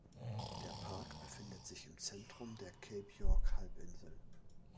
Der Park befindet sich im Zentrum der Cape York Halbinsel.